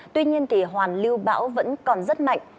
tuy nhiên hoàn lưu bão vẫn còn rất mạnh